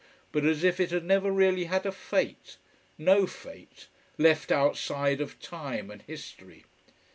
But as if it had never really had a fate. No fate. Left outside of time and history.